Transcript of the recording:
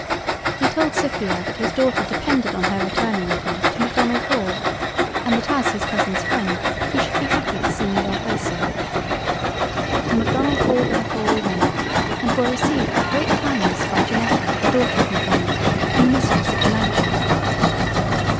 He told Sophia that his Daughter depended on her returning with him to Macdonald Hall, and that as his Cousin's freind he should be happy to see me there also. To Macdonald Hall, therefore we went, and were received with great kindness by Janetta the Daughter of Macdonald, and the Mistress of the Mansion.